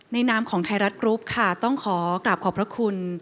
นามของไทยรัฐกรุ๊ปค่ะต้องขอกราบขอบพระคุณ